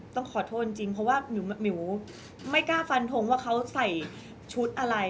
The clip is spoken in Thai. ต้องขอโทษจริงเพราะว่าหมิวไม่กล้าฟันทงว่าเขาใส่ชุดอะไร